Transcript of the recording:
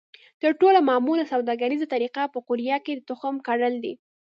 تر ټولو معموله سوداګریزه طریقه په قوریه کې د تخم کرل دي.